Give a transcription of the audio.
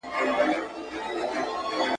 دومره ستړی سو چي ځان ورڅخه هېر سو `